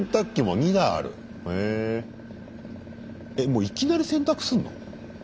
もういきなり洗濯すんの？